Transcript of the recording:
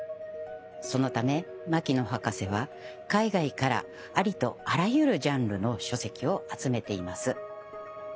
そのため牧野博士は海外からありとあらゆるジャンルの書籍を集めています。